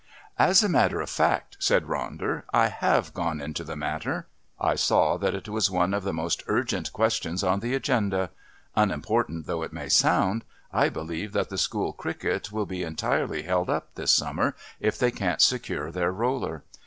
"As a matter of fact," said Ronder, "I have gone into the matter. I saw that it was one of the most urgent questions on the Agenda. Unimportant though it may sound, I believe that the School cricket will be entirely held up this summer if they don't secure their roller.